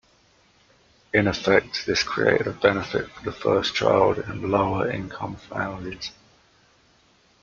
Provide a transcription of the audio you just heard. In effect, this created a benefit for the first child in lower income families.